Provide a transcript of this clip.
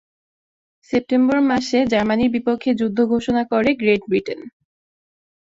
September মাসে জার্মানির বিপক্ষে যুদ্ধ ঘোষণা করে গ্রেট ব্রিটেন।